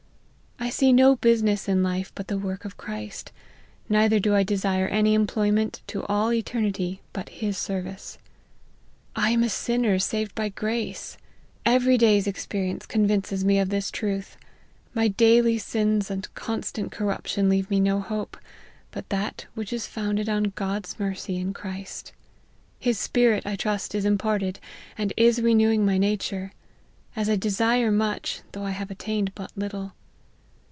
I see no business in life but the work of Christ, neither do I desire any employment to all eternity but his service. I am a sinner saved by grace. Every day's experience convinces me of this truth. My daily sins and constant corrup tion leave me no hope, but that which is founded on God's mercy in Christ. His spirit, I trust, is imparted, and is renewing my nature ; as I desire much, though I have attained but little.